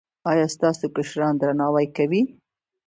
ایا ستاسو کشران درناوی کوي؟